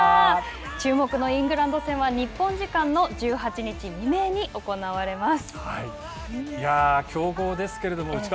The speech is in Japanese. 注目のイングランド戦は日本時間の１８日未明に行われます。